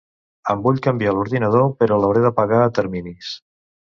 Em vull canviar l'ordinador, però l'hauré de pagar a terminis.